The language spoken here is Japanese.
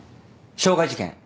傷害事件。